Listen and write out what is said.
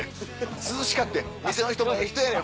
涼しかってん店の人がええ人やねん。